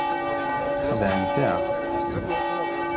Xedɛent-aɣ.